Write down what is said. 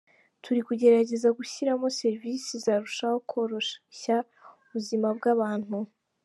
Turi kugerageza gushyiramo serivisi zarushaho koroshya ubuzima bw’abantu.